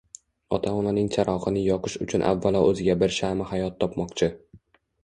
Ota-onaning charog’ini yoqish uchun avvalo o’ziga bir sham’i hayot topmoqchi